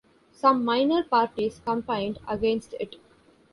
Some minor parties campaigned against it.